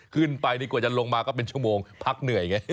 ขึ้นไปดีกว่าจะลงมาก็เป็นชั่วโมงพักเหนื่อยไง